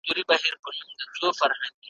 د ټګانو کوډګرانو له دامونو `